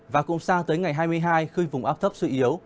và cũng sang tới ngày hai mươi hai khi vùng áp thấp suy yếu